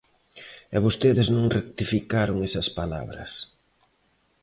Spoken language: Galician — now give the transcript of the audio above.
E vostedes non rectificaron esas palabras.